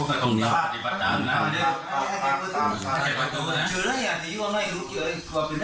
กับพ่อและเจ้าหน้าที่